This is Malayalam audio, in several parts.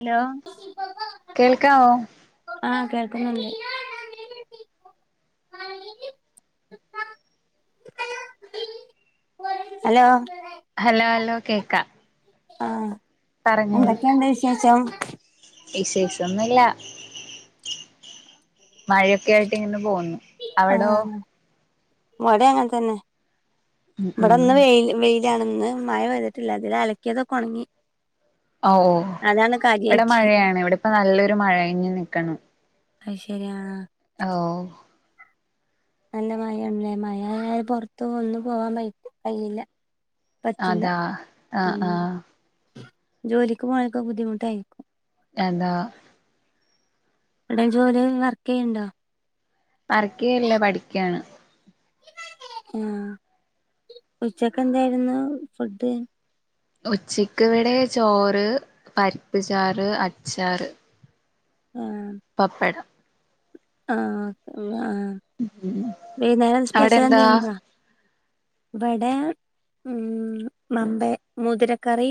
ഹലോ കേൾക്കാവോ ആഹ കേൾക്കുന്നുണ്ട് ഹലോ ഹലോ ഹലോ കേക്കാ ആഹ് എന്തൊക്കെയണ്ട് വിശേഷം വിശേഷം ഒന്നുംല്ല മഴയൊക്കെ ആയിട്ട് ഇങ്ങനെ പോന്നു ആഹ് ഇവടി അങ്ങനെ തന്നെ ഉം ഇവിടെ ഉം ഒന്ന് വെ വ മഴ പ്തിട്ടില്ല ഇതിൽ അലക്കിയതെ ഒണങ്ങി ഓ ഇവിടെ കാര്യായിട്ട് മഴയാണ് ഇവിടെ ഇപ്പോ നല്ലൊരു മഴ കഞ്ഞഞ് നിൽക്കണം അഹ് ശരിയാ ഓ നല്ല മഴണല്ലേ മഴആയ പുറത്ത് ഒന്നും പോവാൻ പ കഴയില്ല പറ്റില്ല അതാ ആഹ് ഉം ആഹ് ജോലിക്ക് പോകാനക്കെ ബുദ്ധിമുട്ടായിരിക്കും എന്താ എവിടെയും ജോലി വർക്ക് ചെയ്യ്ണ്ടോ വർക്ക് ചെയ്യല്ല പഠിക്കണ് ആഹ് ഉച്ചക്ക്‌ എന്തായിരുന്നു ഫുഡ് ഉച്ചക്ക് ഇടെ ചോറ് പരിപ്പ് ചാറ് അച്ചാറ് ആ പപ്പടം ആഹ് ആ വൈകുന്നേരം അവിടെ സ്പെഷ്യൽ എന്താ എന്ത് ങ്കിലുംണ്ടോ ഇവിടെ ഉം മമ്പ മുതിരക്കറി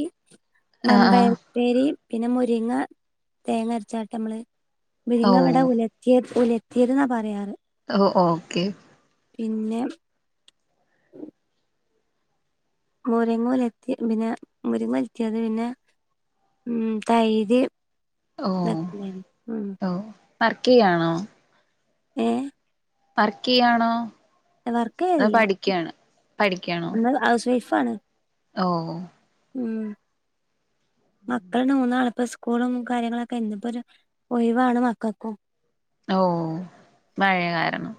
ആഹ് മമ്പയ ആഹ് ഖപ്പേരി പിന്നെ മുരിങ്ങ തേങ്ങ അരച്ചാട്ട നമ്മള് ഓ മുരിങ്ങ വട ഉല ലെ ഉലത്തിയത് എന്നാ പറയാറ് ഓ ഓക്കെ പിന്നെ മുരിങ്ങ ഉല് തിപിന്നെ മുരിങ്ങ ഉലത്തിയത് പിന്നെ മം തൈര് ഓ ഇതൊക്കെണ്ടായിരുന്നു ഉം ഓ വർക്കയാണോ ഏഹ് വർക്കയ്യാണോ വർക്കയല്ല ക്ക്യണ് എന്നത് ഹൗസ് വൈഫാണ് ഓ ഉം മക്കള്ണ്ട് മൂന്നാള് പസ് സ്കൂളും കാര്യങ്ങളൊക്കെ ഇന്ന്പൊരു ഒരു ഒഴവാണ് മക്കക്കും ഓ മഴയ കാരണം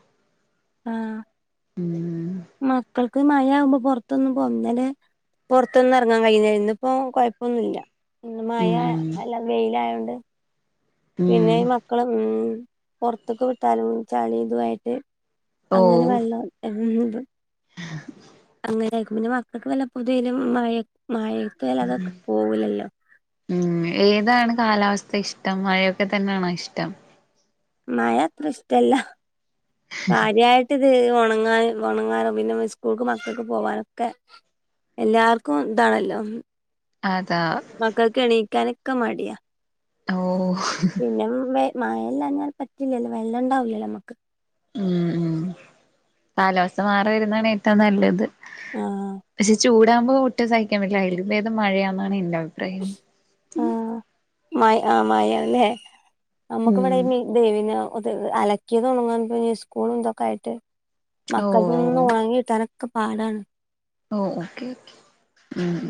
ആ ഇം മക്കൾക്ക് മഴ ആവുമ്പോ പുൊറത്തൊന്നും പോന്തല് പുറത്തൊന്നും എറങ്ങാൻ കഴിഞ്ഞ ഇന്ന ഇപ്പോ കൊഴപ്പൊന്നുല്ല ഇന്ന്മഴ ഉം അല്ല വെയിലയതോണ്ട് ഉം പിന്നെ ഈ മക്കളെ ഉം പൊറ്ത്ത്ക്ക് വിട്ടാല് ചളി ഇതു ആയിട്ട് ഓ അങ്ങനെ വെള്ളം ഉം [inaudible] അങ്ങനൊയിരിക്കും പിന്നെ മക്കൾക്ക് വല്ല തെയ്നു മഴ മഴക്ക് വല്ല തൊ പോവുലല്ലോ ഉം ഏതാണ് കാലാവസ്ഥ ഇഷ്ടം മഴയൊക്കെ തന്നെണോ ഇഷ്ടം മഴത്ര ഇഷ്ടല്ല കാര്യയിട്ട് ഇത് ഒണങ്ങാന് ഓണങ്ങാനും പിന്നെ സ്കൂൾക്ക് മക്കൾക്ക് പോവാനൊക്കെ എല്ലാർക്കും ഇതാണല്ലോ അതാ മക്കൾക്ക് എണീക്കാനൊക്കെ മടിയാ ഓഹ് പിന്നെ മഴല്ലാഞ്ഞാൽ പറ്റില്ലല്ലോ വെള്ളം ഉണ്ടാവലല്ലോ നമ്മക്ക് ഉം ഉം കാലവാസ്ഥ മാറി വരുന്നതാണ് ഏറ്റവും നല്ലത് ആഹ് പക്ഷെ ചൂടാകുമ്പോ ഒട്ടും സഹിക്കാൻ പറ്റില്ല അതിലും ബേദം മഴയാന്നാണ് എന്റെ അഭിപ്രായം ആഹ് മഴ ആഹ് മായല്ലേ ഉം നമ്മുകിവടെഈ മീൻ ദേ പിന്നെ ത് അലക്കിയത് തുണങ്ങാൻ സ്കൂൾ തൊക്കെ ആയിട്ട് ഓ മക്കൾതൊന്ന് ഉണങ്ങിട്ടാനൊക്കെ പാടാണ് ഓഹ് ഓക്കേ ഓക്കെ ഉം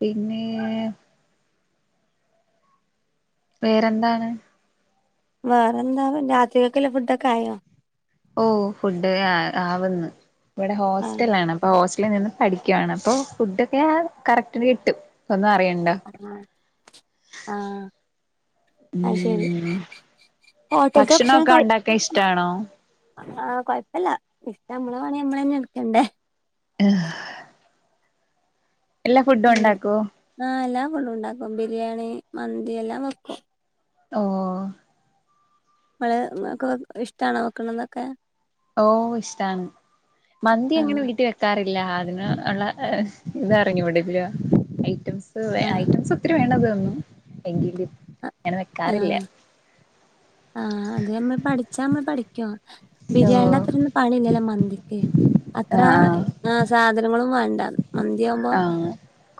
പിന്നെ വേറേന്താണ് വേറെന്താ രാത്രികക്കുള്ള ഫുടൊക്കായോ ഓഹ് ഫുഡ് ആഹ് ആവന്ന് ഇവിടെ ആ ഹോസ്റ്റല ആണ് അപ്പ ഹോസ്റ്റലിൽ നിന്ന് പഠിക്കുവയാണ് അപ്പോ ഫുഡൊക്കെ ആഹ് കറക്റ്റ്ന് കിട്ടും ഒന്നും അറിയണ്ടാ ആഹ് ആഹ് ആഹ് ശരി ഉം ഹോട്ടൽത്തെ ഭക്ഷണം ഭക്ഷണൊക്കെ ഉണ്ടാക്കാൻ കഴിക്ക ഇഷ്ടാണോ ആഹ് കൊഴപ്പില്ല ഇപ്പ നമ്മളെ പണി നമ്മളെന്നെ ഇട്ക്കണ്ടേ ഇഹ്‌ എല്ലാ ഫുഡും ഉണ്ടാക്കുവോ ആഹ് എല്ലാ ഫുടും ഉണ്ടാക്കും ബിരിയാണി മന്തി എല്ലാം വെക്കും ഓഹ് അത് ഇങ്ങക്ക് ഇഷ്ട്ടാണോ വെക്ക്ണതൊക്കെ ഓഹ് ഇഷ്ട്ടാണ് മന്തി ആ എങ്ങനെ വീട്ടിൽ വെക്ക വേക്കാറില്ല അതിന് ഉള്ള ഇതറിഞ്ഞു ടല്ല ഐറ്റംസ് ആ ഐറ്റംസ് ഇത്തിരി വേണ്ടതൊന്നും എങ്കിലും ഞാൻ വെക്കാറില്ല ആഹ് അത ഞമ്മൾ പഠിച്ചാ ങ്ങ് പഠിക്കോ ഓ ബിരിയാണിടെ അത്രൊന്നും പണി ഇല്ലല്ലേ മന്തിക്ക് അത്ര ആ ആഹ് സാധനങ്ങളും വേണ്ട മന്തി യാവുമ്പോ ആ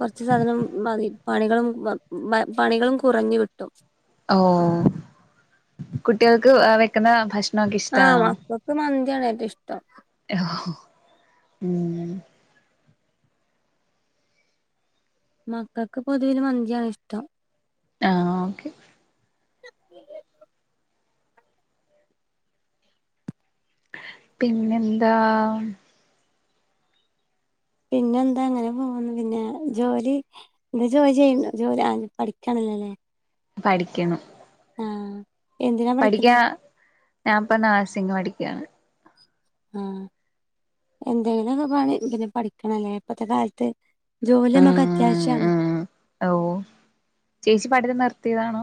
കുറച്ച് സാധനം മതി പണികളും ബ പ പണികളും കുറഞ്ഞു കിട്ടും ഓഹ് കുട്ടികൾക്ക് വെക്കുന്ന ഭക്ഷണാ ആഹ് മക്കൾക്ക് മന്തിയാണ് ഏറ്റവും ഇഷ്ട്ടം ഉം മക്കൾക്ക് പൊതുവിൽ മന്തിയാണ് ഇഷ്ടം ആഹ് ഓക്കെ പിന്നെന്താ പിന്നെ എന്താ ങ്ങനെ പോകുന്നു പിന്നെ ജോലി ഈ ജോലി ചെയ്ണ്ടോ ജോലിനീ പഠിക്കാണല്ലല്ലേ പഠിക്കാണ് എന്തിനാ പഠിക്കുന്നെ പഠിക്കാ ഞാൻപ്പോ നർസിംഗ് പഠിക്കണ് ഉം എന്തെങ്കിലുക്കെ പണി ങ്ങനെ പഠിക്കണല്ലേ ഇപ്പത്തെ കാലത്ത് ജോലി ഞമ്മക് അത്യാശ്യണ് ഓഹ് ചേച്ചി പഠിത്തം നിർത്തിയതാണോ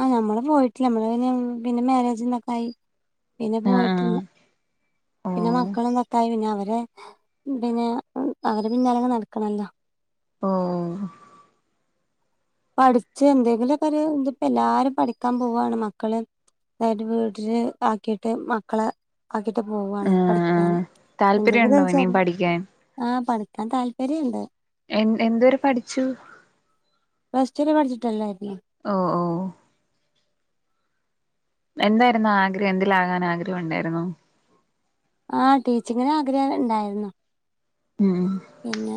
ആഹ് നമ്മള് പോയിട്ടില്ല നമ്മള് പിന്നെ മാരേജ്ന്നൊക്കായി പിന്നെ ആഹ് പോയിട്ടില്ല ആഹ് ഓ പിന്നെ മക്കൾ നത്തായി പിന്നെ അവരെ പിന്നെ അവരെ പിനാലങ് നടക്കണല്ലോ ഓഹ് പഠിച്ച് എന്തെങ്കിലുമൊക്കൊര് ഇപ്പോ എല്ലാരും പഠിക്കാൻ പോവാണ് മക്കള് അതായത് വീട്ടില് ആക്കിയിട്ട് മക്കളെ ആക്കിട്ട് പോവാണ് ആഹ് പഠിക്കൻ ആഹ് എന്തെങ്കിലും താല്പര്യണ്ടോ ഇനിയും ഒര് പഠിക്കാൻ ആഹ് പടിക്കാൻ താല്പര്യംണ്ട് എ എന്തവരെ പഠിച്ചു പ്ലസ് ടു വരെ പഠിച്ചോട്ടെല്ലെർന്ന് ഓഹ് ഓഹ് എന്തായിരുന്നു ആഗ്രഹം എന്തിലാകാൻ ആഗ്രഹം ഉണ്ടായിരുന്നു ആഹ് ടീച്ചിങ്ങിന് ആഗ്രഹം ഉണ്ടായിര്ന്ന ഉം പിന്നെ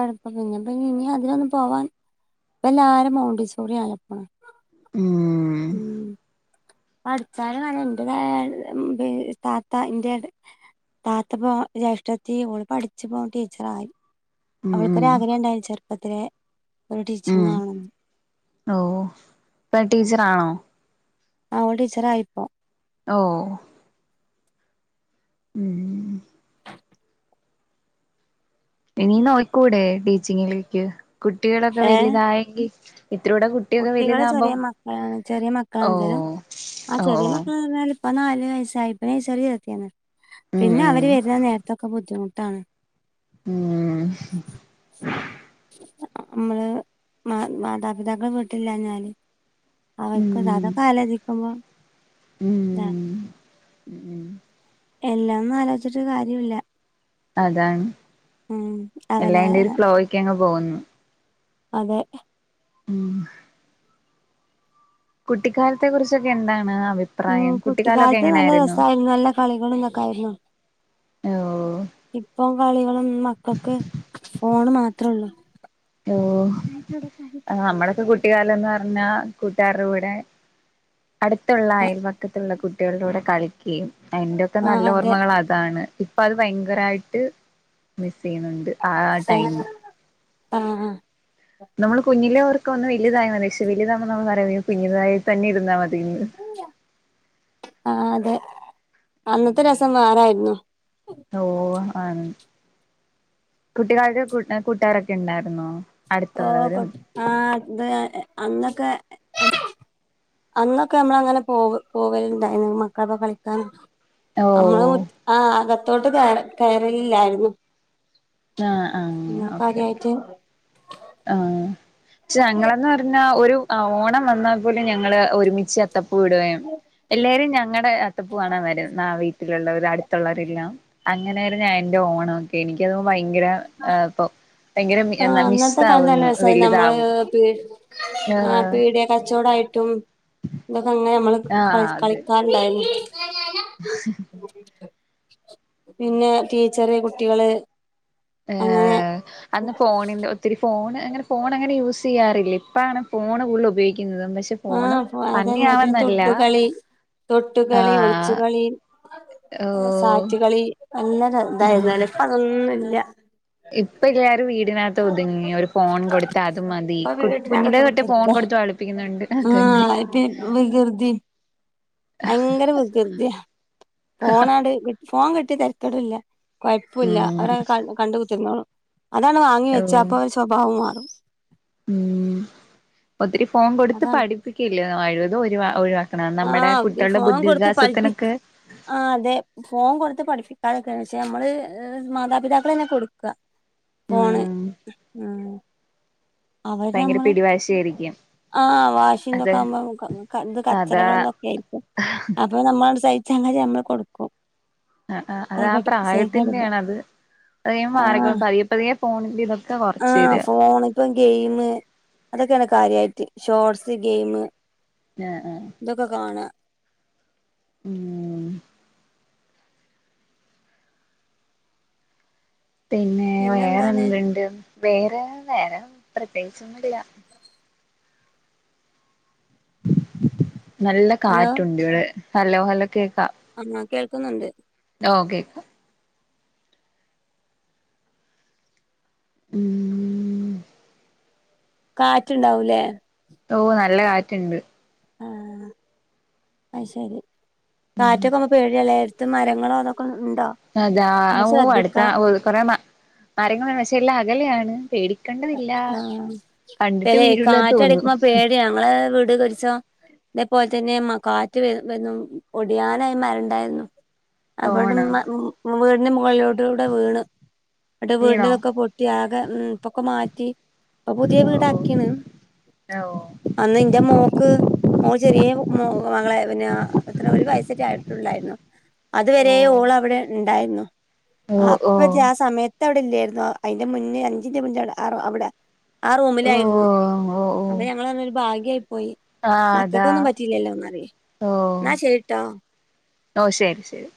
അഴപ്പ പിന്നെപ്പ ഇനി അതിലൊന്ന് പോവാൻ ഇപ്പ എല്ലാരും മൗണ്ടിസോറി ആലപ്പണം ഉം അഠിച്ചാല അ എൻന്റെ താത്ത എന്റെ താത്ത പോ ജേഷ്ഠത്തി പഠിച്ച് പോ ടീച്ചറ ആയി ഉം ഉം അവൾക്കൊരാഗ്രഹം ഉണ്ടായില്ല ചെറുപ്പത്തില ഒരു ടീച്ചിങ് ആണംെന്ന് ഓഹ് ഇപ്പ ടീച്ചറാണോ അവഓൾ ടീച്ചർ ആയിപ്പോം ഓഹ് ഉം ഇനീ നോയ്ക്കൂടെ ടീച്ചിങ്ങിലേക്ക് കുട്ടികളൊക്കെ വലുതായെങ്കിൽ ഇത്രൂ കുട്ടികള് ചെറിയ മക്കളാണ് ചെറിയ ഓ മക്കളാണച്ചാലും ആ ഓ ചെറിയ ഓ മക്കൾ ഇപ്പ നാല് വയസ്സായി ഇപ്പ നഴ്സറി ചർത്തിയാണ് ഉം പിന്നെ ഉം അവര് വരുന്ന നേരത്തെൊക്കെ ബുദ്ധിമുട്ടാണ് ഉം മ്മള് മാ മാതാപിതാക്കൾ വീട്ടില്ലഞ്ഞാല് അവരിക്ക് അതൊക്കെ ആലോചിക്കുമ്പോ ഉം ഉം ഉം [unintelligible] എല്ലാംന്നും ആലോചിച്ചിട്ട് കാര്യയുല്ല അതാണ് എല്ലാന്റെ ഒരു അവന ഫ്ലോയ്ക്ക് അങ്ങ് പോകുന്നു അതെ ഉം കുട്ടിക്കാലത്തെ കുറിച്ചൊക്കെ എന്താണ് അഭി ഉം കുട്ടിക്കാലത്ത് നല്ല രസമായിരുന്നു നല്ല കളികളന്നൊക്കെ ആയിരുന്നു ഓ ഇപ്പം കളികളും മക്കൾക്ക് ഫോണ് മാത്രേള്ളൂ ഓഹ് നമ്മളൊക്കെ കുട്ടികാലംന്ന് പറഞ്ഞാ കൂട്ടുകാരുടെ കൂടെ അടുത്തുള്ള ആഹ് അയൽപക്കത്തുള്ള കുട്ടികളിലൂടെ കളിക്കുകയും അതിന്റെയൊക്കെ നല്ല ആഹ് അതെ ഓർമ്മകളാ ഇതാണ് ഇപ്പ അത് ഭയങ്കരായിട്ട് മിസ് ചെയ്യുന്നുണ്ട് ആ ടൈം ആഹ് ആഹ് നമ്മള് കുഞ്ഞിലെ ർക്ക വന്ന് വലുതായന്ന പക്ഷെ വലിയത ത നമ്മൾ പറയ കുഞ്ഞു തായി തന്നെ ഇരന്നാ മതിന്ന് ആഹ് അതെ അന്നത്തെ രസം മാറായിരുന്നു ഓഹ് ആ കുട്ടികാലത്ത് കൂട്ടുകാരൊക്കെ ഉണ്ടായിരുന്നോ ഓഹ് അടുത്തുള്ളവരും കൊട്ട ആഹ് അത് അന്നൊക്കെ അന്നൊക്കെ നമ്മള അങ്ങനെ പോ പോവലുണ്ടായി മക്കളക്ക കളിക്കാൻ ഓ നമ്മള് മു ആ അകത്തോട്ട് കേ കയറലില്ലായിരുന്നു ആഹ് ആഹ് നമ്മള് ഓക്കെ കാര്യായിട്ട് ആഹ് ച്ച് ഞങ്ങളെന്ന് പർണാ ഒര് ആ ഓണം വന്നാൽ പോലും ഞങ്ങൾ ഒര്മിച്ച് അത്തപ്പൂ ഇടുകെയും എല്ലാരും ഞങ്ങടെ അത്തപ്പൂ കാണാൻ വെരും ന്നാ വീ ട്ടിലുള്ള വെരും അടുത്ത് ഉള്ളവരെല്ലാം അങ്ങനെ ഞാ എന്റെ ഓണം ഒക്കെ എനിക്കെത് ഭയങ്കര ഏഹ് ഇപ്പം ഭയങ്കരം ആഹ് എന്നാ മിസ്സ് അന്നത്തെ കാലത്ത് നല്ല ആകുന്നു രസായി നമ്മള് വെല്താവും [unintelligible] ആഹ് പീടെ കച്ചോടായിട്ടും ഇതൊക്കെ ഇങ്ങനെ ഞമ്മെൾ കളി അത് കളിക്കാ [inaudible] പിന്നെ ടീച്ചെറ് കുട്ടികൾ ഏഹ് അന്ന് ഫോണിന്റെ ഒത്തിരി ഫോണ് അങ്ങനെ ഫോൺ അങ്ങനെ യൂസ് ചെയ്യാറില്ലെയ് ഇപ്പളാണ് ഫോണ് കൂട്തെലും ഉപയോഗിക്കുന്നെതും പക്ഷേ ആഹ് ഇപ്പോ അതെന്നെ പിന്നെ തൊട്ടുകളി തൊട്ടുകളി ഒൾച്ചു ആഹ് കളി ഓഹ് സാറ്റ് കളി നല്ല ര ഉം ഇതായിരുന്നു ലെ ഇപ്പ അതൊന്നും ഇല്ല ഇപ്പ എല്ലാരും വീട് ട്ട്ന് അകത്ത് ഒത്ങ്ങി ഒരു ഫോൺ കൊട്ത്താ അത് മതി ഇപ്പൊ കുട് കുഞ്ഞിലെ വീട്ടിനകത്ത് തൊട്ടെ ഫോൺ കുത്തിരിക്ക കൊട്ത്ത് വള ആഹ് ഇപ്പ ഈ വികൃതി ഭയങ്കര വികൃതിയാ ഫോണാണ്ട് കിട്ട് ഫോൺ കിട്ടിയാ തെര്ക്കെട് ഇല്ലാ കൊഴ്പ്പുല്ലാ ഉം അവെര് കൺ കണ്ട് കുത്തെർന്നോളും ഇതാണ്ട് വാങ്ങി ഓ വെച്ചാ അപ്പം അവരെ സ്വഭാവം മാറും ഉം ഒത്തിരി ഫോൺ കൊടുത്ത് അതാണ് പഠിപ്പിക്ക അല്ലെ ആഴെത് ഒര്പാ ഒഴിവാ ക്ക്ണാ നമ്മുടെ ആഹ് കുട്ടിയളുടെ ഫോൺ ബുദ്ധി കൊടുത്ത് പഠിപ്പി വികാസത്തിനൊക്കെ ആഹ് അതെ ഫോൺ കൊട്ത്ത് പഠിപ്പിക്കാതെ ഇക്കെന്നെ ക്ഷെ നമ്മെൾ മാതാപിതാക്കളെന്നെ കൊട്ക്കാ ഫോണ് ഉം ഉം അവര് ഭയങ്കര നമ്മള് പിടിവാശി ആയിരി ആഹ് വാശിം ഇതൊക്കെ ആവുമ്പം നമ്മുക്ക് ക ഇത് അതാ കച്ചറകളും ഇതൊക്കെ എയ്ര്ക്കും അപ്പ നമ്മെൾ ആണ്ട് സഹിച്ചാ [unintelligible] നമ്മെൾ കൊട്ക്കും ആഹ് ആഹ് അത് ആ പ്രായത്തിന്റെ ആണ് അത് അത് വേം മാറിക്കോളും ആഹ് പതിയെ പതിയെ ഫോണിന്റെ ഇതെക്കെ കൊർച്ച് വെരാ ഇപ്പം ഗെയിം അതൊക്കെയാണ് കാര്യയായിട്ട് ഷോർട്സ്, ഗെയിം ഞാ ആഹ് ഇതൊക്കെ കാണാ ഉം പിന്നെ വെറെ പിന്നെന്താണ് എന്ത് ഇണ്ട് വെറെ നേരം പ്രത്യേകിച്ച് ഒന്നും ഇല്ലാ നല്ല ഹലോ കാറ്റുണ്ട് ഇവിടെ നല്ല പോലെ കേക്കാം ആഹ് ആഹ് കേൾക്കുന്നുണ്ട് ഓഹ് കേക്കാം ഊമം കാറ്റ് ഇണ്ടാവും ലെ ഓഹ് നല്ല കാറ്റ് ഇണ്ട് ആഹ് അഹ് ശരി ഉം കാറ്റൊക്കെ ആവുമ്പം പേടിയാ ലെ ത്ത് മരങ്ങളോ അതൊക്കെ ഇണ്ടോ? അതാ ഓഹ് അട്ത്താ ഓഹ് കൊറെ മ മരങ്ങെൾ ഇണ്ട് പക്ഷേ എല്ലാം അകലെയാണ് പേടി ആഹ് പെരെയ് വീഴൂല കാറ്റ് തോന്നു അടിക്കുമ്പം പേടിയാ ഞങ്ങളെ വീട് ഒക്കെ ഒരിസം ഇതെ പോലെ തെന്നെ മാ കാറ്റ് വെരുമ്പം എന്നും ഒടിയാനായ മരം ഇണ്ടായിരുന്നു അപ്പം തോണോ ഇങ്ങെട്ട് ഇമ്മ വീടിന്റെ മോൾലോട്ടിലൂടെ വീണ് ഇന്നെട്ട് വീട്ന്റെ വീണോ അതൊക്കെ പൊട്ട് ട്ടി ആകെ ഉം ഇപ്പൊക്കെ മാറ്റി ഇപ്പം പുതെ ഓ വീട് ആക്കിണ് ഓ അന്ന് ഇന്റെ മോക്ക് മോൾ ചെറെ മോ മകളായപ്പം പിന്നെ ഞാ ഇത്രെ ഒര് വയസെറ്റെ ആയിട്ട് ഒള്ളായിരുന്നു അത് വെരെ ഓ ഓൾ അവ്ടെ ഇണ്ടായിരുന്നു ഓ അപ്പറ്റെ ആ സമയെത്ത് അവ്ടെ ഇല്ലെയ്രുന്നു. അയിന്റെ മുന്ന് അഞ്ച് മിൻറ്റ് മുന്നെ അയുടെ ആ റോ അവ്ടെ ആ ഓ ഓ റൂമിലായിരുന്നു. ഓ ഓ അങ്ങനെ ഞങ്ങളവ്ട്ന്ന് ഒരു ഭാഗ്യായി പോയി ആ മക്കൾക്ക് അതാ ഒന്നും പറ്റില്ലല്ലോ ന്നറിയെ. ന്നാ ശരി ട്ടോ ഓഹ് ശരി ശരി